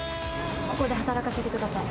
ここで働かせてください。